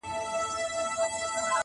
o خپل په خپلو درنېږي٫